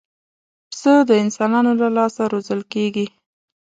پسه د انسانانو له لاسه روزل کېږي.